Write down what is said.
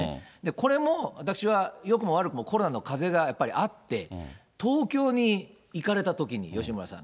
これも私は、よくも悪くもコロナの風がやっぱりあって、東京に行かれたときに、吉村さん。